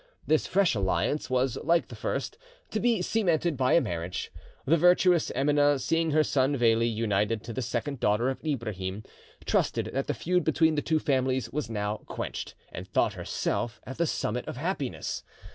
This fresh alliance was, like the first, to be cemented by a marriage. The virtuous Emineh, seeing her son Veli united to the second daughter of Ibrahim, trusted that the feud between the two families was now quenched, and thought herself at the summit of happiness.